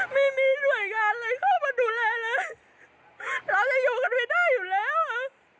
ไม่มีหน่วยงานเลยเข้ามาดูแลเลยเราจะอยู่กันไม่ได้อยู่แล้วค่ะ